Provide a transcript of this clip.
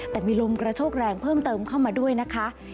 แต่มีลมกระโชกแรงเพิ่มเติมเข้ามาด้วยนะคะ